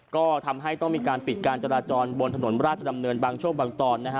ก็ทำให้ต้องมีการปิดการจราจรบนถนนราชดำเนินบางช่วงบางตอนนะฮะ